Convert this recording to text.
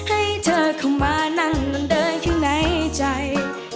ให้เธอเข้ามานั่งเดินข้างในใจ